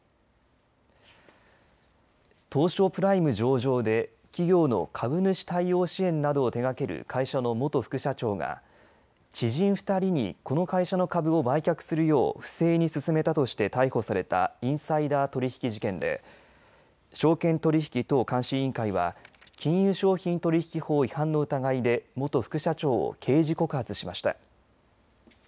東証プライム上場で企業の株主対応支援などを手がける会社の元副社長が知人２人に、この会社の株を売却するよう不正に勧めたとして逮捕されたインサイダー取引事件で証券取引等監視委員会は金融商品取引法違反の疑いで元副社長を刑事告発しました。